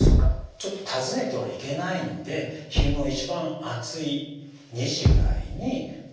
ちょっと訪ねてはいけないので昼の一番暑い２時ぐらいに電話をする。